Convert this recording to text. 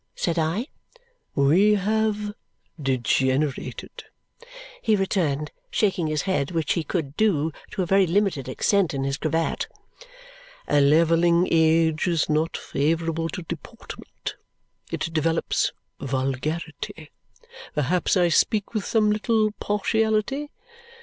said I. "We have degenerated," he returned, shaking his head, which he could do to a very limited extent in his cravat. "A levelling age is not favourable to deportment. It develops vulgarity. Perhaps I speak with some little partiality.